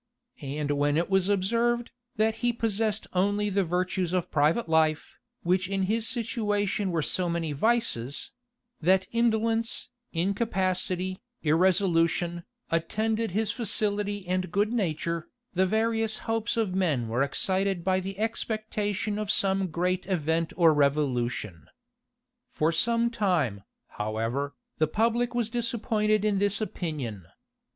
And when it was observed, that he possessed only the virtues of private life, which in his situation were so many vices; that indolence, incapacity, irresolution, attended his facility and good nature, the various hopes of men were excited by the expectation of some great event or revolution. For some time, however, the public was disappointed in this opinion.